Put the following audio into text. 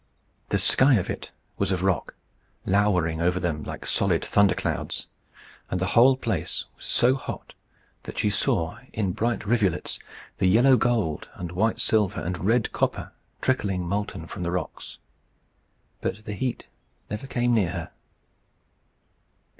The sky of it was of rock, lowering over them like solid thunderclouds; and the whole place was so hot that she saw, in bright rivulets, the yellow gold and white silver and red copper trickling molten from the rocks. But the heat never came near her.